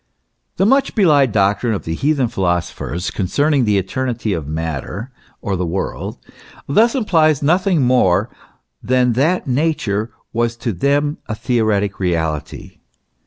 The much belied doctrine of the heathen philosophers con cerning the eternity of matter, or the world, thus implies nothing more than that Nature was to them a theoretic reality.